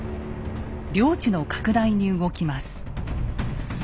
領地の拡大に動きます。